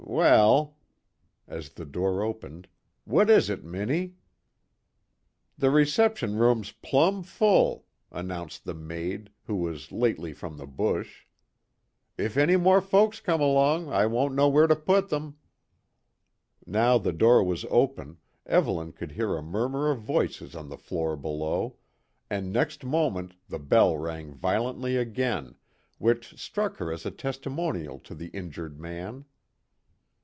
Weel" as the door opened "what is it, Minnie?" "The reception room's plumb full," announced the maid, who was lately from the bush. "If any more folks come along, I won't know where to put them." Now the door was open, Evelyn could hear a murmur of voices on the floor below, and next moment the bell rang violently again, which struck her as a testimonial to the injured man.